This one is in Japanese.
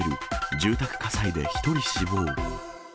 住宅火災で１人死亡。